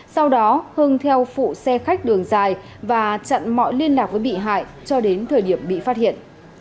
sau đó hưng theo phụ xe khách đường dài và chặn mọi liên lạc với bị hại cho đến thời điểm bị phát hiện